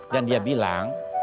dan dia bilang